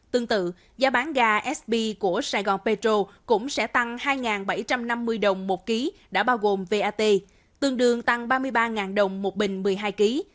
tương tự giá bán ga sb của sài gòn petro cũng sẽ tăng hai bảy trăm năm mươi đồng một ký đã bao gồm vat tương đương tăng ba mươi ba đồng một bình một mươi hai kg